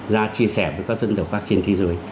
ra chia sẻ với các dân tộc khác trên thế giới